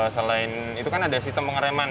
selain itu kan ada sistem pengereman